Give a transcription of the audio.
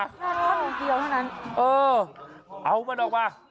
แค่ท่อนเดียวเท่านั้นเออเอามันออกมา